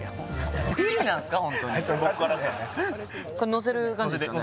のせる感じですよね？